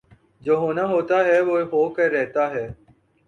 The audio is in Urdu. جو ہونا ہوتاہےوہ ہو کر رہتا ہے